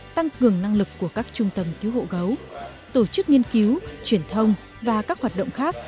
tăng cường năng lực của các trung tâm cứu hộ gấu tổ chức nghiên cứu truyền thông và các hoạt động khác